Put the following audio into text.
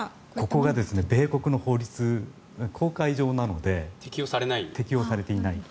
ここが米国の法律公海上なので適用されていない。